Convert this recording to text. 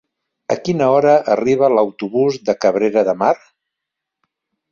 A quina hora arriba l'autobús de Cabrera de Mar?